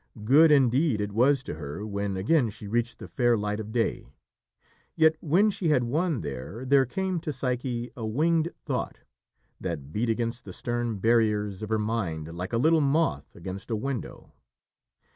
Good, indeed, it was to her when again she reached the fair light of day. Yet, when she had won there, there came to Psyche a winged thought, that beat against the stern barriers of her mind like a little moth against a window.